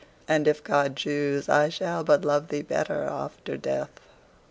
—and, if God choose, I shall but love thee better after death.